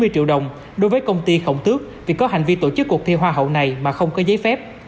hai mươi triệu đồng đối với công ty khổng tước vì có hành vi tổ chức cuộc thi hoa hậu này mà không có giấy phép